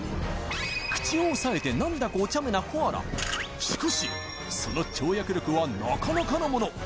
口を押さえて何だかお茶目なコアラしかしその跳躍力はなかなかのもの